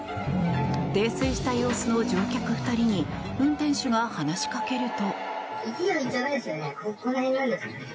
泥酔した様子の乗客２人に運転手が話しかけると。